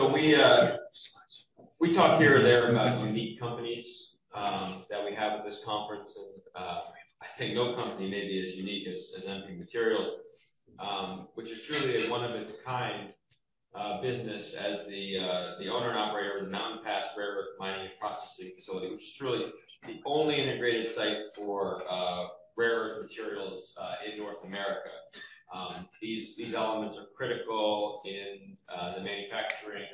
So we talk here or there about unique companies at this conference. I think no company may be as unique as MP Materials, which is truly a one-of-a-kind business as the owner and operator of the Mountain Pass rare earth mining and processing facility, which is truly the only integrated site for rare earth materials in North America. These elements are critical in the manufacturing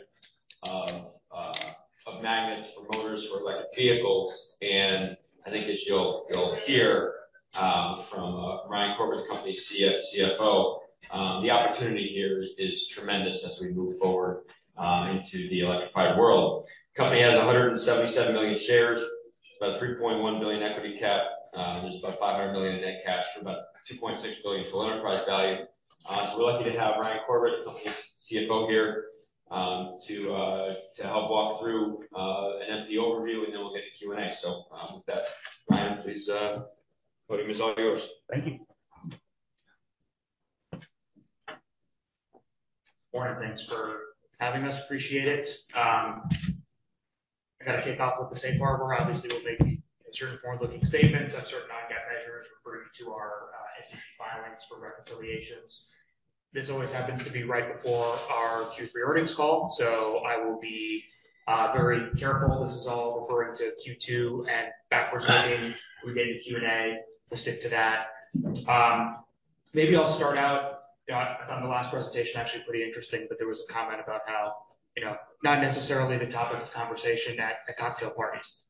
of magnets for motors for electric vehicles. I think as you'll hear from Ryan Corbett, the company's CFO, the opportunity here is tremendous as we move forward into the electrified world. The company has 177 million shares, about $3.1 billion equity cap. There's about $500 million in net cash for about $2.6 billion total enterprise value. So we're lucky to have Ryan Corbett, the company's CFO here, to help walk through an MP overview, and then we'll get into Q&A. So, with that, Ryan, please, the podium is all yours. Thank you. Morning, thanks for having us. Appreciate it. I got to kick off with the safe harbor. Obviously, we'll make certain forward-looking statements of certain non-GAAP measures, refer you to our SEC filings for reconciliations. This always happens to be right before our Q3 earnings call, so I will be very careful. This is all referring to Q2 and backward-looking. We may do Q&A, we'll stick to that. Maybe I'll start out. I found the last presentation actually pretty interesting, that there was a comment about how, not necessarily the topic of conversation at the cocktail parties.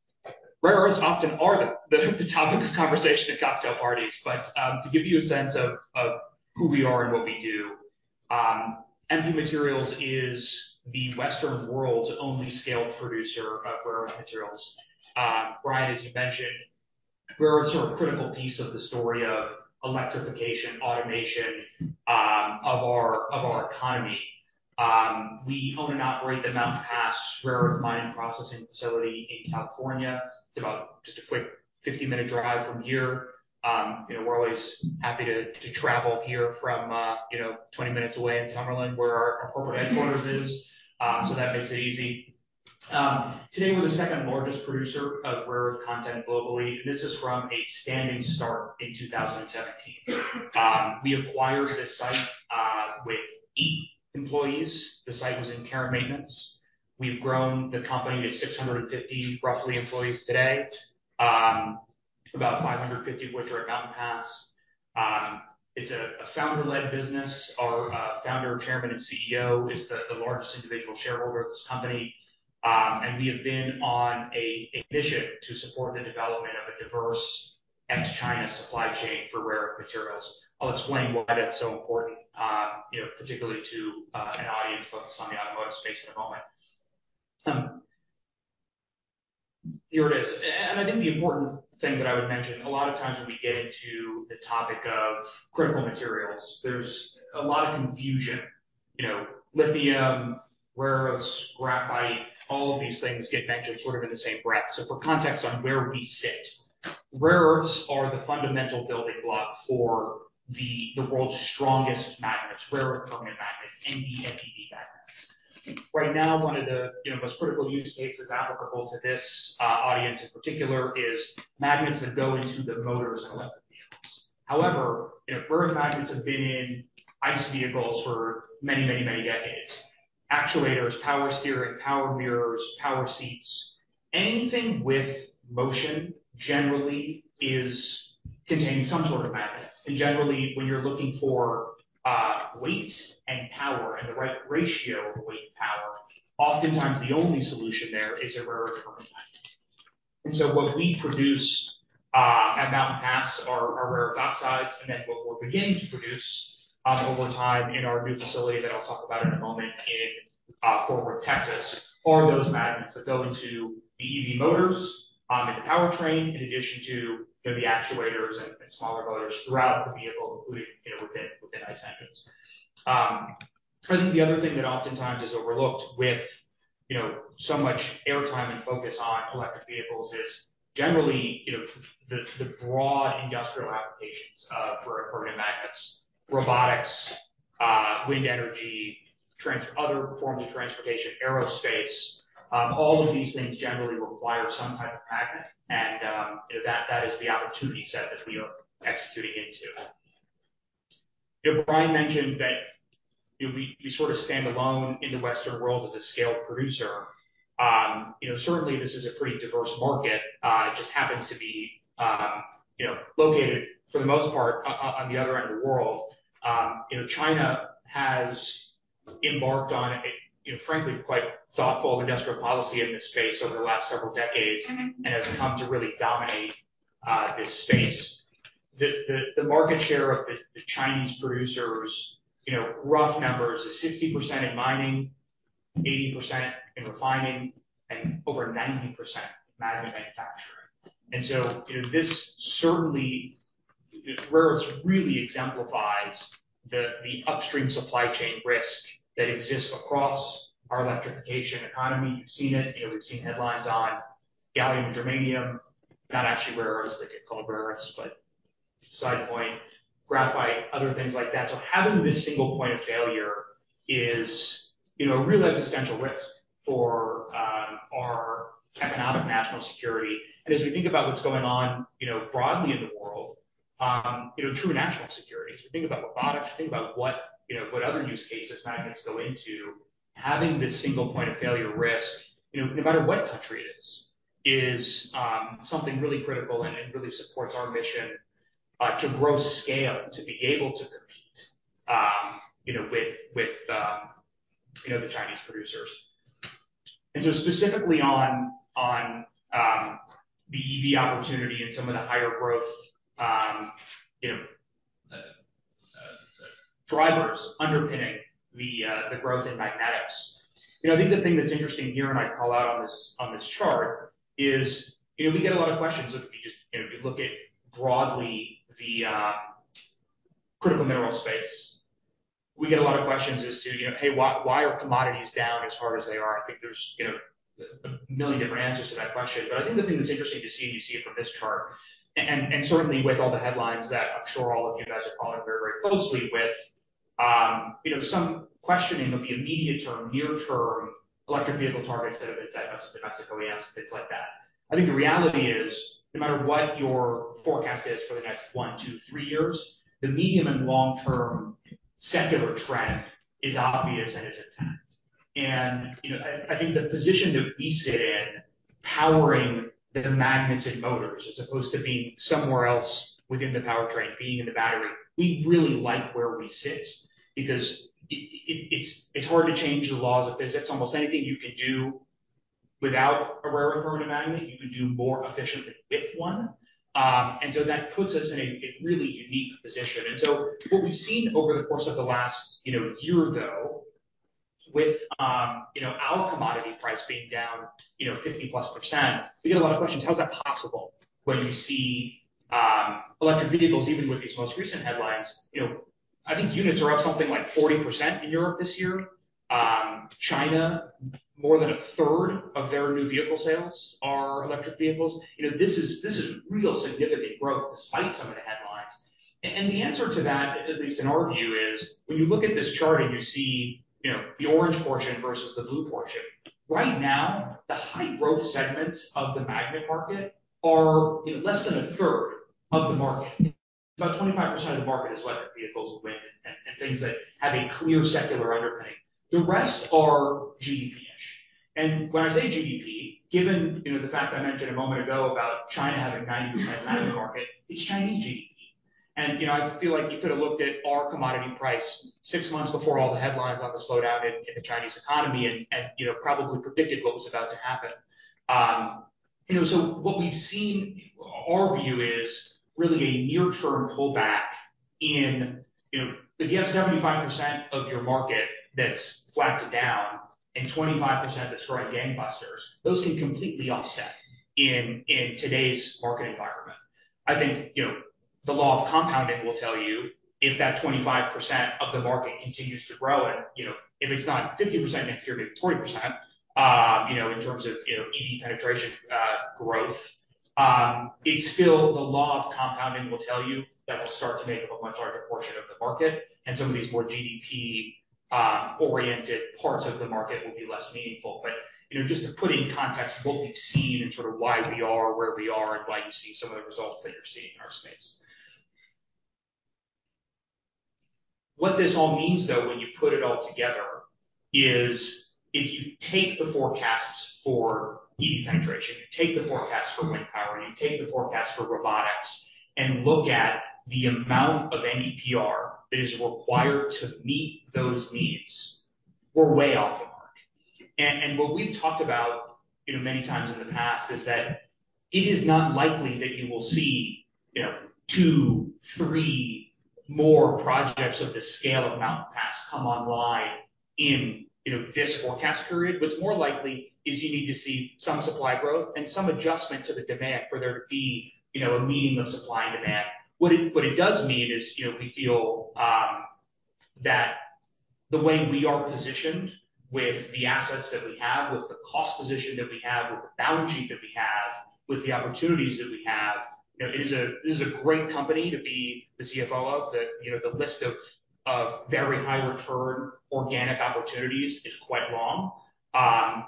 Rare earths often are the topic of conversation at cocktail parties. But, to give you a sense of who we are and what we do, MP Materials is the Western world's only scaled producer of rare earth materials. Brian, as you mentioned, we're a sort of critical piece of the story of electrification, automation, of our economy. We own and operate the Mountain Pass rare earth mining processing facility in California. It's about just a quick 50-minute drive from here. We're always happy to travel here from 20 minutes away in Summerlin, where our corporate headquarters is. So that makes it easy. Today, we're the second largest producer of rare earth content globally. This is from a standing start in 2017. We acquired this site with 8 employees. The site was in care and maintenance. We've grown the company to 650, roughly, employees today, about 550 of which are at Mountain Pass. It's a founder-led business. Our founder, chairman, and CEO is the largest individual shareholder of this company. And we have been on a mission to support the development of a diverse ex-China supply chain for rare earth materials. I'll explain why that's so important, particularly to an audience focused on the automotive space in a moment. Here it is. And I think the important thing that I would mention, a lot of times when we get into the topic of critical materials, there's a lot of confusion. Lithium, rare earths, graphite, all of these things get mentioned sort of in the same breath. So for context on where we sit, rare earths are the fundamental building block for the world's strongest magnets, rare earth permanent magnets, Nd and Dy magnets. Right now, one of the most critical use cases applicable to this audience in particular is magnets that go into the motors of electric vehicles. However, rare earth magnets have been in ICE vehicles for many, many, many decades. Actuators, power steering, power mirrors, power seats, anything with motion generally is containing some sort of magnet. Generally, when you're looking for weight and power and the right ratio of weight to power, oftentimes the only solution there is a rare earth permanent magnet. And so what we produce at Mountain Pass are rare earth oxides, and then what we're beginning to produce over time in our new facility that I'll talk about in a moment in Fort Worth, Texas, are those magnets that go into BEV motors in the powertrain, in addition to the actuators and smaller motors throughout the vehicle, including, within ICE engines. I think the other thing that oftentimes is overlooked with so much airtime and focus on electric vehicles is generally, the broad industrial applications for permanent magnets, robotics, wind energy, other forms of transportation, aerospace. All of these things generally require some type of magnet, and, that is the opportunity set that we are executing into. Brian mentioned that, we sort of stand alone in the Western world as a scaled producer. certainly this is a pretty diverse market. It just happens to be, located for the most part on the other end of the world. China has embarked on a, frankly, quite thoughtful industrial policy in this space over the last several decades. Mm-hmm. And has come to really dominate this space. The market share of the Chinese producers, rough numbers is 60% in mining, 80% in refining, and over 90% magnet manufacturing, So this certainly Rare earths really exemplifies the upstream supply chain risk that exists across our electrification economy. You've seen it, we've seen headlines on gallium, germanium, not actually rare earths, they get called rare earths, but, side point, graphite, other things like that. So having this single point of failure is, a real existential risk for our economic national security. And as we think about what's going on, broadly in the world, true national security. So think about robotics, think about what, what other use cases magnets go into. Having this single point of failure risk, no matter what country it is, is something really critical and it really supports our mission to grow scale, to be able to compete, with the Chinese producers. And so specifically on the EV opportunity and some of the higher growth, drivers underpinning the growth in magnetics. I think the thing that's interesting here, and I call out on this chart, is, we get a lot of questions. If you just, if you look at broadly the critical mineral space, we get a lot of questions as to, "Hey, why are commodities down as hard as they are?" I think there's, a million different answers to that question. But I think the thing that's interesting to see, and you see it from this chart, and certainly with all the headlines that I'm sure all of you guys are following very, very closely with, some questioning of the immediate term, near-term electric vehicle targets that have been set by some domestic OEMs and things like that. I think the reality is, no matter what your forecast is for the next 1-3 years, the medium and long-term secular trend is obvious and is intact. And, I think the position that we sit in, powering the magnets and motors, as opposed to being somewhere else within the powertrain, being in the battery, we really like where we sit because it's hard to change the laws of physics. Almost anything you can do without a rare earth magnet, you can do more efficiently with one. And so that puts us in a really unique position. And So what we've seen over the course of the last, year, though, with, our commodity price being down, 50%+, we get a lot of questions, how is that possible when you see, electric vehicles, even with these most recent headlines? I think units are up something like 40% in Europe this year. China, more than a third of their new vehicle sales are electric vehicles. This is real significant growth despite some of the headlines. The answer to that, at least in our view, is when you look at this chart and you see, the orange portion versus the blue portion. Right now, the high growth segments of the magnet market are, less than a third of the market. About 25% of the market is electric vehicles, wind, and things that have a clear secular underpinning. The rest are GDP-ish. And when I say GDP, given, the fact I mentioned a moment ago about China having 90% of the market, it's Chinese GDP. And, I feel like you could have looked at our commodity price six months before all the headlines on the slowdown in the Chinese economy and, probably predicted what was about to happen. so what we've seen, our view is really a near-term pullback in... if you have 75% of your market that's flat to down and 25% that's growing gangbusters, those can completely offset in today's market environment. I think, the law of compounding will tell you if that 25% of the market continues to grow and, if it's not 50% next year, but 40%, in terms of, EV penetration, growth, it's still the law of compounding will tell you that will start to make up a much larger portion of the market, and some of these more GDP oriented parts of the market will be less meaningful. But, just to put in context what we've seen and sort of why we are where we are and why you see some of the results that you're seeing in our space. What this all means, though, when you put it all together, is if you take the forecasts for EV penetration, you take the forecast for wind power, and you take the forecast for robotics, and look at the amount of Ndpr that is required to meet those needs, we're way off the mark. And what we've talked about, many times in the past is that it is not likely that you will see, 2, 3 more projects of the scale of Mountain Pass come online in, this forecast period. What's more likely is you need to see some supply growth and some adjustment to the demand for there to be, a meeting of supply and demand. What it, what it does mean is, we feel that the way we are positioned with the assets that we have, with the cost position that we have, with the balance sheet that we have, with the opportunities that we have, it is a—this is a great company to be the CFO of. The, the list of very high return organic opportunities is quite long.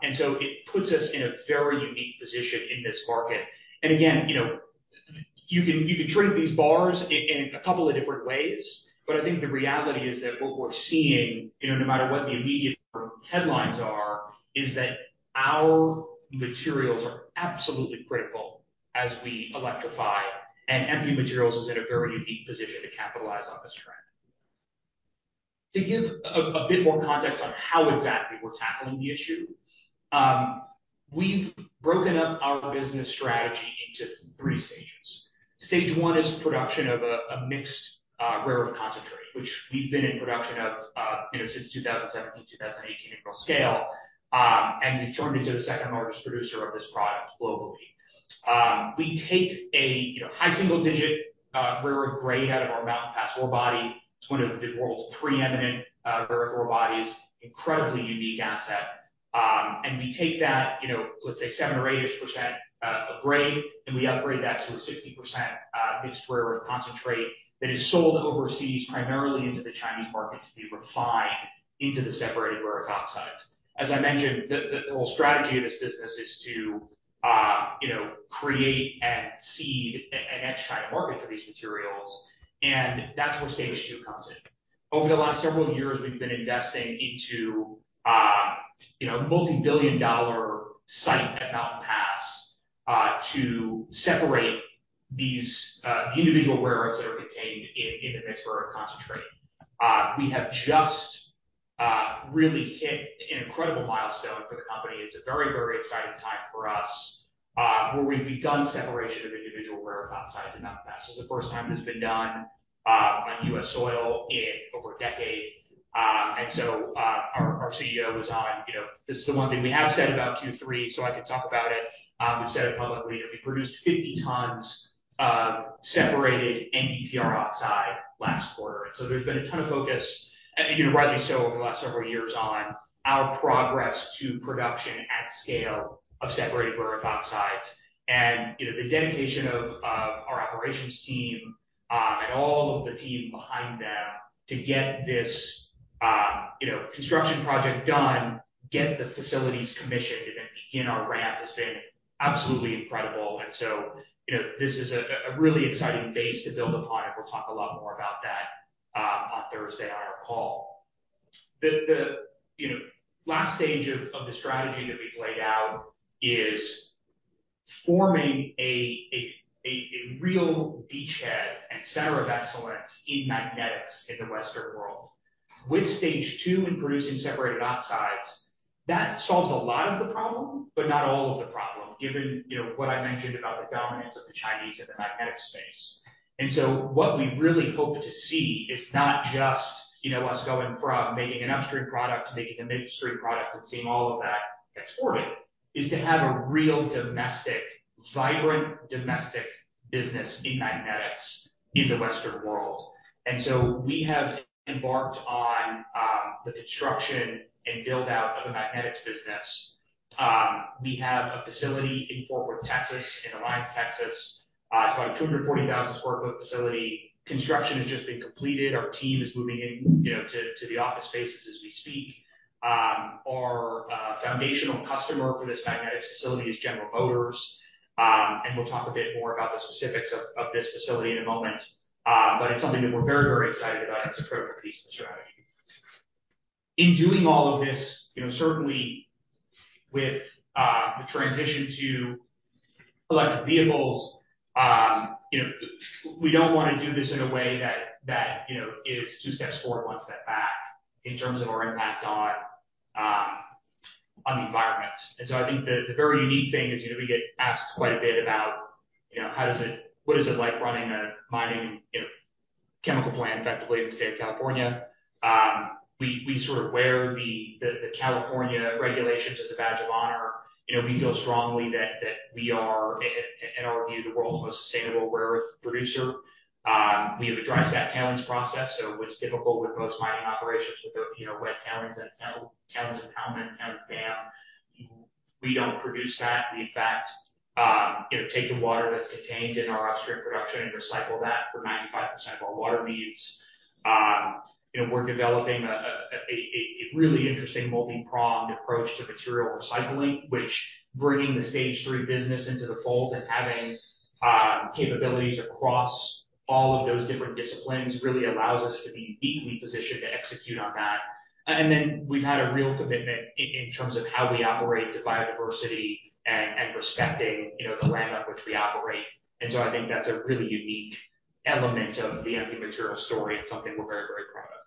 And so it puts us in a very unique position in this market. And again, you can, you can trade these bars in a couple of different ways. I think the reality is that what we're seeing, no matter what the immediate headlines are, is that our materials are absolutely critical as we electrify, and MP Materials is in a very unique position to capitalize on this trend. To give a bit more context on how exactly we're tackling the issue, we've broken up our business strategy into three stages. Stage one is production of a mixed rare earth concentrate, which we've been in production of, since 2017, 2018 in full scale. And we've turned into the second-largest producer of this product globally. We take a high single-digit rare earth grade out of our Mountain Pass ore body. It's one of the world's preeminent rare earth ore bodies, incredibly unique asset. and we take that, let's say 7 or 8-ish % grade, and we upgrade that to a 60% mixed rare earth concentrate that is sold overseas, primarily into the Chinese market, to be refined into the separated rare earth oxides. As I mentioned, the whole strategy of this business is to, create and seed an ex-China market for these materials, and that's where stage two comes in. Over the last several years, we've been investing into, a multi-billion dollar site at Mountain Pass, to separate these individual rare earths that are contained in the mixed earth concentrate. We have just really hit an incredible milestone for the company. It's a very, very exciting time for us, where we've begun separation of individual rare earth oxides in Mountain Pass. This is the first time this has been done on U.S. soil in over a decade. And so, our CEO is on this is the one thing we have said about Q3, so I can talk about it. We've said it publicly, that we produced 50 tons of separated NdPr oxide last quarter. And so there's been a ton of focus, and, rightly so, over the last several years on our progress to production at scale of separated rare earth oxides. And, the dedication of our operations team, and all of the team behind them to get this, construction project done, get the facilities commissioned, and then begin our ramp has been absolutely incredible. And so, this is a really exciting base to build upon, and we'll talk a lot more about that on Thursday on our call. The, last stage of the strategy that we've laid out is forming a real beachhead and center of excellence in magnetics in the Western world. With stage two and producing separated oxides, that solves a lot of the problem, but not all of the problem, given, what I mentioned about the dominance of the Chinese in the magnetic space. And so what we really hope to see is not just, us going from making an upstream product to making a midstream product and seeing all of that exported, is to have a real domestic, vibrant, domestic business in magnetics in the Western world. We have embarked on the construction and build-out of a magnetics business. We have a facility in Fort Worth, Texas, in Alliance, Texas. It's about 240,000 sq ft facility. Construction has just been completed. Our team is moving in, to the office spaces as we speak. Our foundational customer for this magnetics facility is General Motors. We'll talk a bit more about the specifics of this facility in a moment. But it's something that we're very, very excited about and it's a critical piece of the strategy. In doing all of this, certainly with the transition to electric vehicles, we don't want to do this in a way that, that, is two steps forward, one step back in terms of our impact on, on the environment. So I think the very unique thing is, we get asked quite a bit about, how does it, what is it like running a mining, chemical plant effectively in the state of California? We sort of wear the California regulations as a badge of honor. we feel strongly that we are, in our view, the world's most sustainable rare earth producer. We have addressed that tailings process, so what's difficult with most mining operations with the, wet tailings and tailings impoundment and tailings dam. We don't produce that. We, in fact, take the water that's contained in our upstream production and recycle that for 95% of our water needs. we're developing a really interesting multi-pronged approach to material recycling, which bringing the stage three business into the fold and having capabilities across all of those different disciplines, really allows us to be uniquely positioned to execute on that. And then we've had a real commitment in terms of how we operate to biodiversity and respecting, the land on which we operate. And so I think that's a really unique element of the MP Materials story, and something we're very, very proud of.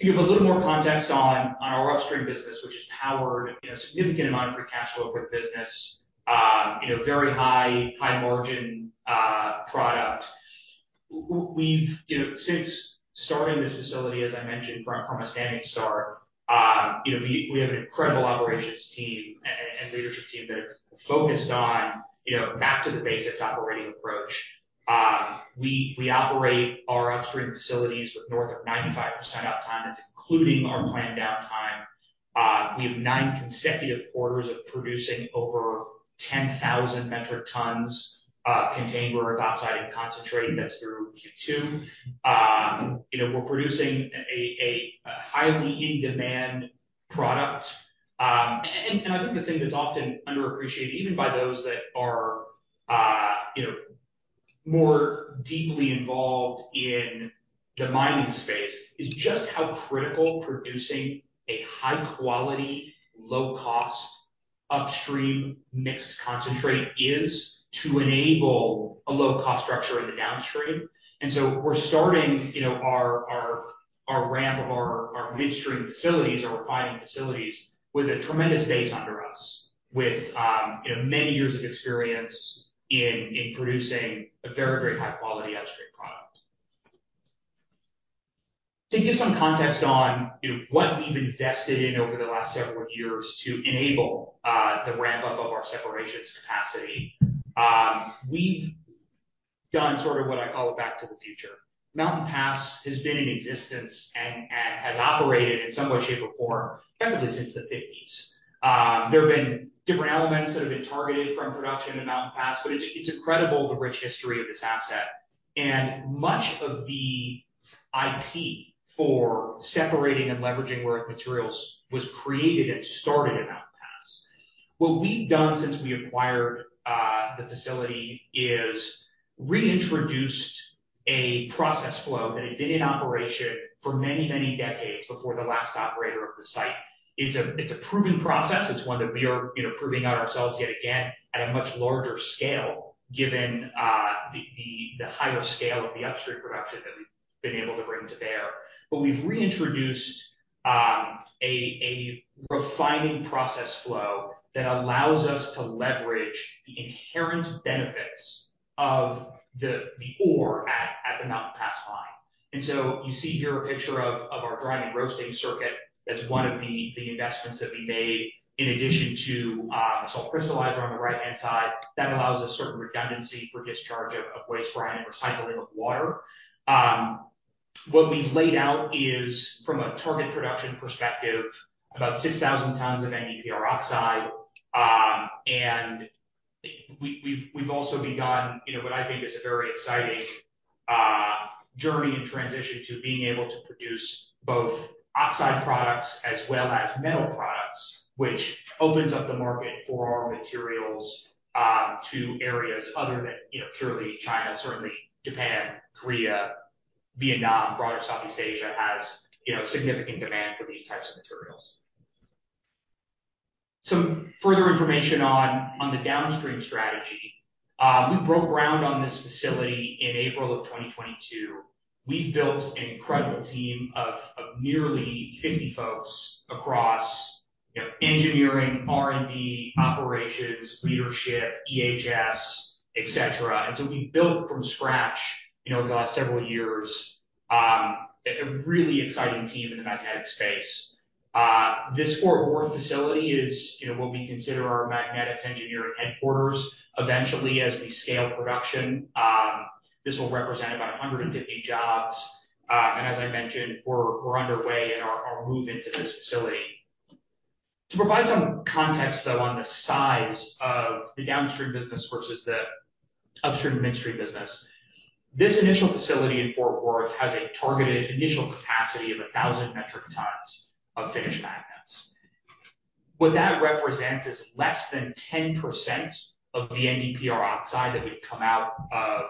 To give a little more context on our upstream business, which has powered, a significant amount of free cash flow for the business, a very high-margin product. We've, since starting this facility, as I mentioned, from a standing start, we have an incredible operations team and leadership team that have focused on, back to the basics operating approach. We operate our upstream facilities with north of 95% uptime. That's including our planned downtime. We have 9 consecutive quarters of producing over 10,000 metric tons of contained rare earth oxide and concentrate. That's through Q2. We're producing a highly in-demand product. I think the thing that's often underappreciated, even by those that are, more deeply involved in the mining space, is just how critical producing a high-quality, low-cost, upstream mixed concentrate is to enable a low-cost structure in the downstream. And so we're starting, our ramp of our midstream facilities, our refining facilities, with a tremendous base under us, with, many years of experience in producing a very, very high-quality upstream product. To give some context on, what we've invested in over the last several years to enable the ramp-up of our separations capacity, we've done sort of what I call a back to the future. Mountain Pass has been in existence and has operated in some way, shape, or form, kind of since the fifties. There have been different elements that have been targeted from production in Mountain Pass, but it's incredible the rich history of this asset. And much of the IP for separating and leveraging rare earth materials was created and started in Mountain Pass. What we've done since we acquired the facility is reintroduced a process flow that had been in operation for many, many decades before the last operator of the site. It's a proven process. It's one that we are, proving out ourselves yet again at a much larger scale, given the higher scale of the upstream production that we've been able to bring to bear. But we've reintroduced a refining process flow that allows us to leverage the inherent benefits of the ore at the Mountain Pass mine. And so you see here a picture of our drying and roasting circuit. That's one of the investments that we made in addition to salt crystallizer on the right-hand side. That allows a certain redundancy for discharge of waste brine and recycling of water. What we've laid out is, from a target production perspective, about 6,000 tons of Ndpr oxide. And we've also begun, what I think is a very exciting journey and transition to being able to produce both oxide products as well as metal products, which opens up the market for our materials to areas other than, purely China. Certainly, Japan, Korea, Vietnam, broader Southeast Asia has, significant demand for these types of materials. Some further information on the downstream strategy. We broke ground on this facility in April 2022. We've built an incredible team of nearly 50 folks across, engineering, R&D, operations, leadership, EHS, et cetera. And so we've built from scratch, over the last several years, a really exciting team in the magnetic space. This Fort Worth facility is, what we consider our magnetics engineering headquarters. Eventually, as we scale production, this will represent about 150 jobs. As I mentioned, we're underway in our move into this facility. To provide some context, though, on the size of the downstream business versus the upstream and midstream business, this initial facility in Fort Worth has a targeted initial capacity of 1,000 metric tons of finished magnets. What that represents is less than 10% of the Ndpr oxide that would come out of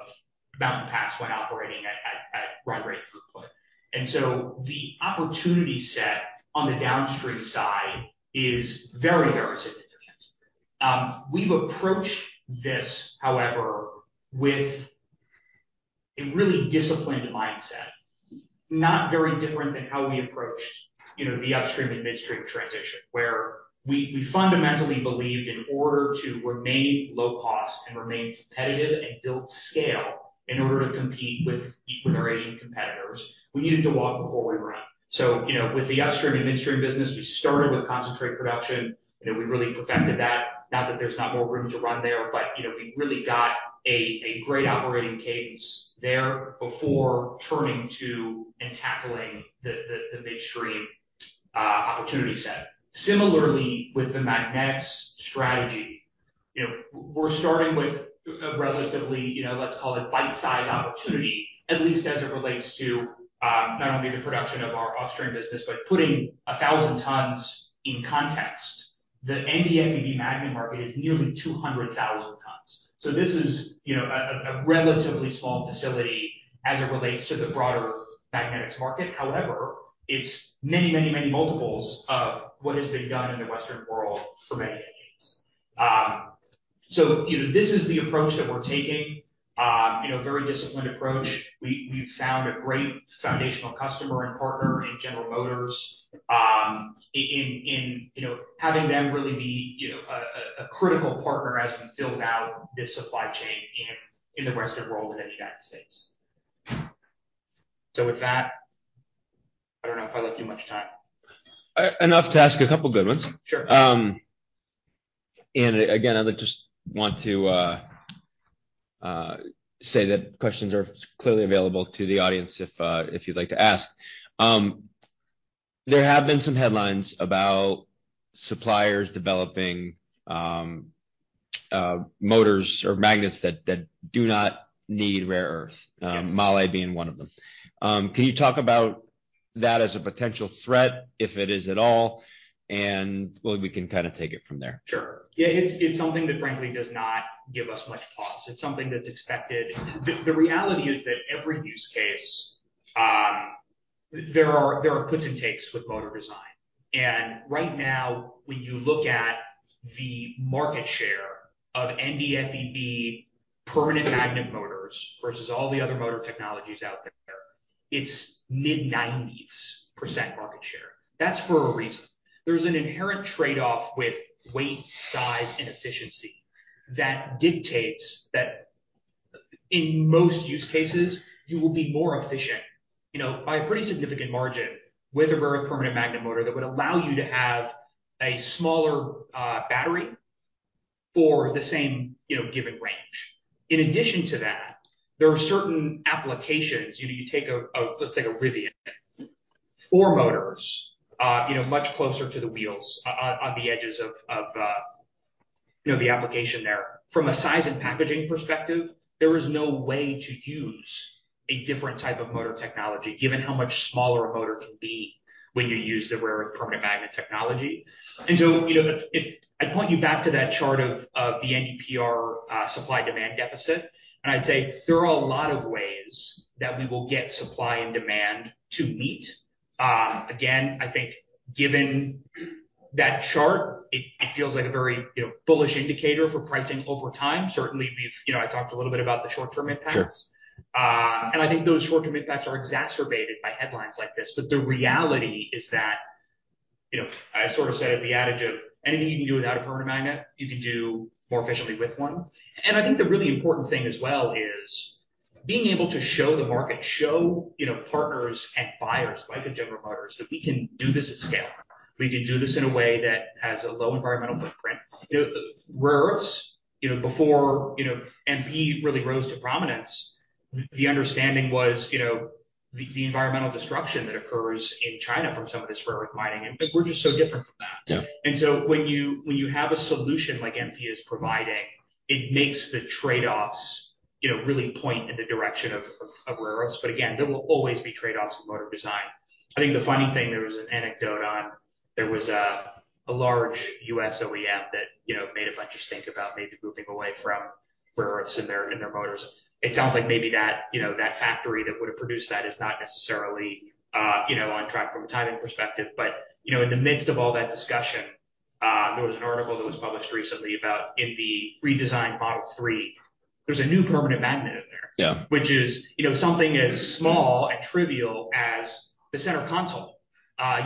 Mountain Pass when operating at run rate throughput. So the opportunity set on the downstream side is very, very significant. We've approached this, however, with a really disciplined mindset. Not very different than how we approached, the upstream and midstream transition, where we fundamentally believed in order to remain low cost and remain competitive and build scale in order to compete with our Asian competitors, we needed to walk before we run. with the upstream and midstream business, we started with concentrate production, and we really perfected that. Not that there's not more room to run there, but we really got a great operating cadence there before turning to and tackling the midstream opportunity set. Similarly, with the magnets strategy, we're starting with a relatively, let's call it bite-sized opportunity, at least as it relates to, not only the production of our upstream business, but putting 1,000 tons in context. The NdFeB magnet market is nearly 200,000 tons. So this is, a relatively small facility as it relates to the broader magnetics market. However, it's many, many, many multiples of what has been done in the Western world for many decades. So, this is the approach that we're taking. a very disciplined approach. We've found a great foundational customer and partner in General Motors, in, having them really be, a critical partner as we build out this supply chain in the Western world and in the United States. So with that, I don't know if I left you much time. Enough to ask a couple good ones. Sure. And again, I just want to say that questions are clearly available to the audience if you'd like to ask. There have been some headlines about suppliers developing motors or magnets that do not need rare earth- Yes. Malaysia being one of them. Can you talk about that as a potential threat, if it is at all, and, well, we can kind of take it from there. Sure. Yeah, it's something that frankly does not give us much pause. It's something that's expected. The reality is that every use case, there are gives and takes with motor design. And right now, when you look at the market share of NdFeB permanent magnet motors versus all the other motor technologies out there, it's mid-90s% market share. That's for a reason. There's an inherent trade-off with weight, size, and efficiency that dictates that in most use cases, you will be more efficient... by a pretty significant margin with a rare earth permanent magnet motor that would allow you to have a smaller battery for the same, given range. In addition to that, there are certain applications, you take a, let's take a Rivian. 4 motors, much closer to the wheels on, on the edges of, of, the application there. From a size and packaging perspective, there is no way to use a different type of motor technology, given how much smaller a motor can be when you use the rare earth permanent magnet technology. And so, if I point you back to that chart of the Ndpr supply-demand deficit, and I'd say there are a lot of ways that we will get supply and demand to meet. Again, I think given that chart, it feels like a very, bullish indicator for pricing over time. Certainly we've, I talked a little bit about the short-term impacts. Sure. And I think those short-term impacts are exacerbated by headlines like this. But the reality is that, I sort of said it, the adage of anything you can do without a permanent magnet, you can do more efficiently with one. And I think the really important thing as well is being able to show the market, show, partners and buyers, like General Motors, that we can do this at scale. We can do this in a way that has a low environmental footprint. rare earths, before, MP really rose to prominence, the understanding was, the environmental destruction that occurs in China from some of this rare earth mining, and we're just so different from that. Yeah. And so when you, when you have a solution like MP is providing, it makes the trade-offs, really point in the direction of rare earths. But again, there will always be trade-offs in motor design. I think the funny thing, there was an anecdote on there was a large U.S. OEM that, made a bunch of think about maybe moving away from rare earths in their, in their motors. It sounds like maybe that, that factory that would have produced that is not necessarily, on track from a timing perspective. But, in the midst of all that discussion, there was an article that was published recently about in the redesigned Model 3, there's a new permanent magnet in there. Yeah. Which is, something as small and trivial as the center console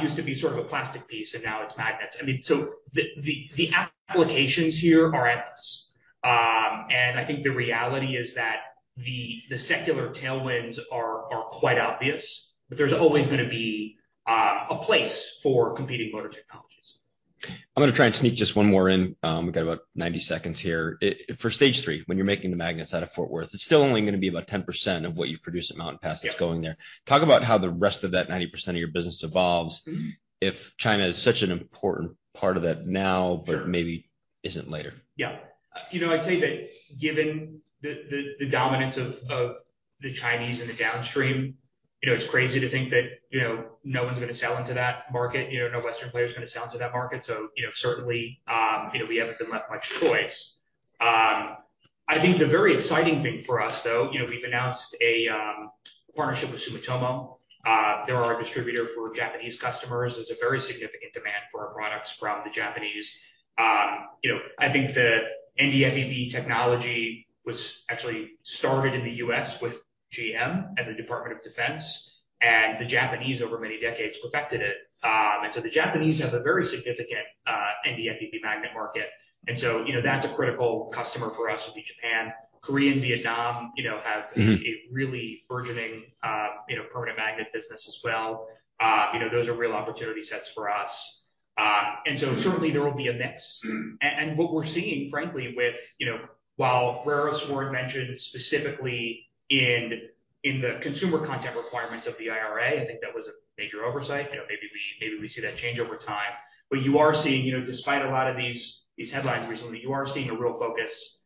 used to be sort of a plastic piece, and now it's magnets. I mean, so the applications here are endless. And I think the reality is that the secular tailwinds are quite obvious, but there's always going to be a place for competing motor technologies. I'm going to try and sneak just one more in. We've got about 90 seconds here. For stage three, when you're making the magnets out of Fort Worth, it's still only going to be about 10% of what you produce at Mountain Pass that's going there. Yeah. Talk about how the rest of that 90% of your business evolves- Mm-hmm. If China is such an important part of that now - Sure. but maybe isn't later. Yeah. I'd say that given the dominance of the Chinese and the downstream, it's crazy to think that, no one is going to sell into that market. no Western player is gonna sell into that market. So, certainly, we haven't been left much choice. I think the very exciting thing for us, though,, we've announced a partnership with Sumitomo. They're our distributor for Japanese customers. There's a very significant demand for our products from the Japanese. I think the NdFeB technology was actually started in the U.S. with GM and the Department of Defense, and the Japanese, over many decades, perfected it. And so the Japanese have a very significant NdFeB magnet market, and so, that's a critical customer for us, would be Japan. Korea and Vietnam, have- Mm-hmm. A really burgeoning, permanent magnet business as well. those are real opportunity sets for us. And so certainly there will be a mix. And what we're seeing, frankly, with, while rare earths weren't mentioned specifically in the consumer content requirements of the IRA, I think that was a major oversight. maybe we see that change over time. But you are seeing, despite a lot of these headlines recently, you are seeing a real focus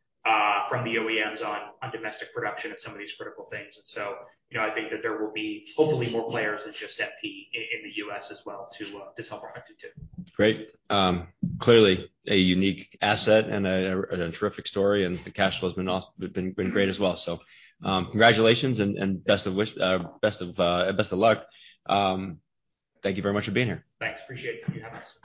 from the OEMs on domestic production of some of these critical things. So, I think that there will be hopefully more players than just MP in the U.S. as well to sell product to. Great. Clearly a unique asset and a terrific story, and the cash flow has been great as well. So, congratulations and best of luck. Thank you very much for being here. Thanks. Appreciate it. Thank you for having us.